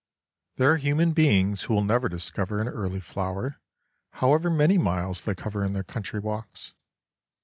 There are human beings who will never discover an early flower, however many miles they cover in their country walks.